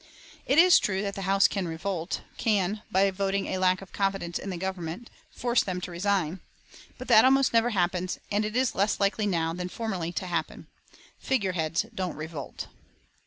It is true that the House can revolt, can, by voting a lack of confidence in the Government, force them to resign. But that almost never happens, and it is less likely now than formerly to happen. Figureheads don't revolt.